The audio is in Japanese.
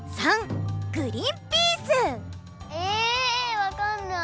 わかんない！